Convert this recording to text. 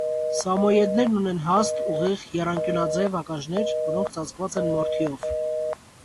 Սամոյեդներն ունեն հաստ, ուղիղ, եռանկյունաձև ականջներ, որոնք ծածկված են մորթիով։